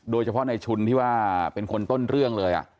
โดยเฉพาะในชุนที่ว่าเป็นคนต้นเรื่องเลย